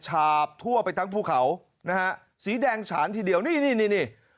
ฉาบทั่วไปทั้งภูเขานะฮะสีแดงฉานทีเดียวนี่นี่นี่